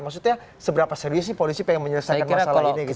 maksudnya seberapa serius sih polisi pengen menyelesaikan masalah ini gitu